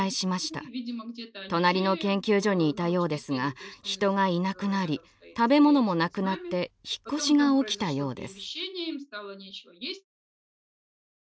隣の研究所にいたようですが人がいなくなり食べ物もなくなって引っ越しが起きたようです。